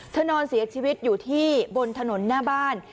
นอนเสียชีวิตอยู่ที่บนถนนหน้าบ้าน